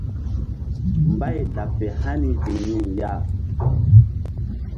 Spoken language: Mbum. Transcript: Mbay laɓ fe hani ziŋ niri ya.